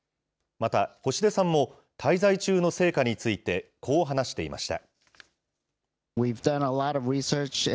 また星出さんも、滞在中の成果について、こう話していました。